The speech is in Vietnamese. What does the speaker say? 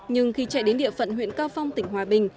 nhưng khi chạy đến địa phận huyện cao phong tỉnh hòa bình